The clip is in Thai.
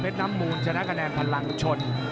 น้ำมูลชนะคะแนนพลังชน